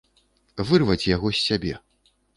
Вырваць яго з сябе.